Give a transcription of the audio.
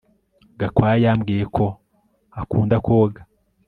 Gakwaya yambwiye ko akunda koga